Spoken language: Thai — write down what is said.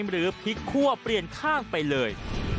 หรือพลิกคั่วเปลี่ยนข้างไปเลย